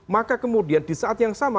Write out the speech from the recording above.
maka kemudian disaat yang sama